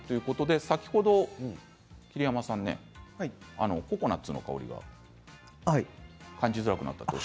先ほど、桐山さんココナツの香りが感じづらくなったと。